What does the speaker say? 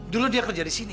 dulu dia kerja di sini